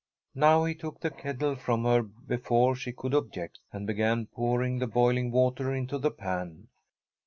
Now he took the kettle from her before she could object, and began pouring the boiling water into the pan.